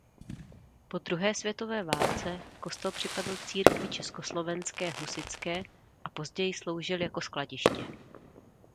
Po druhé světové válce kostel připadl Církvi československé husitské a později sloužil jako skladiště.